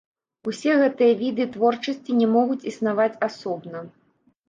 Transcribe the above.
Усе гэтыя віды творчасці не могуць існаваць асобна.